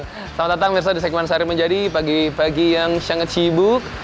selamat datang mirsa di segmen sehari menjadi pagi pagi yang sangat sibuk